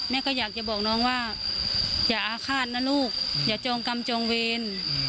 ก็อยากจะบอกน้องว่าอย่าอาฆาตนะลูกอย่าจองกรรมจองเวร